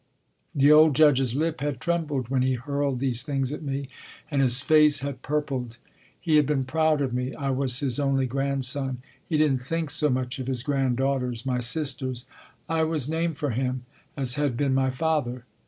The old Judge s lip had trembled when he hurled these things at me, and his face had purpled. He had been proud of me. I was his only grandson. He didn t think so much of his granddaughters, my sisters. I was named for him, as had been my father.